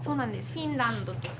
フィンランドとか。